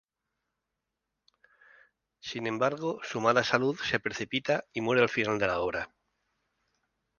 Sin embargo, su mala salud se precipita y muere al final de la obra.